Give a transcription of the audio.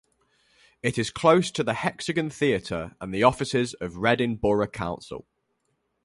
It is close to The Hexagon theatre and the offices of Reading Borough Council.